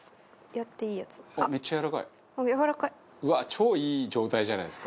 超いい状態じゃないですか